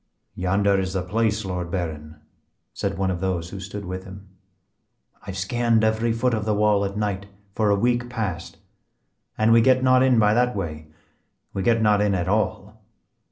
"Yonder is the place, Lord Baron," said one of those who stood with him. "I have scanned every foot of the wall at night for a week past. An we get not in by that way, we get not in at all.